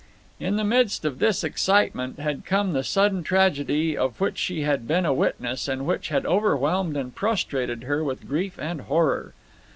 In the midst of this excitement had come the sudden tragedy of which she had been a witness, and which had overwhelmed and prostrated her with grief and horror.